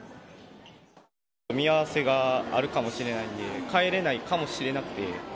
見合わせがあるかもしれないので、帰れないかもしれなくて。